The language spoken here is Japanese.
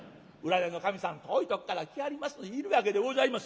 占いの神さん遠いとこから来はりますのでいるわけでございます。